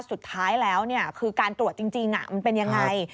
สุดท้ายแล้วคือการตรวจจริงมันเป็นยังไง